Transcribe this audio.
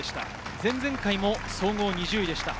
前々回も総合２０位でした。